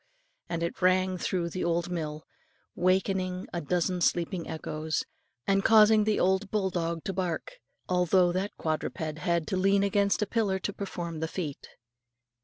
and it rang through the old mill, wakening a dozen sleeping echoes, and causing the old bulldog to bark, although that quadruped had to lean against a pillar to perform the feat.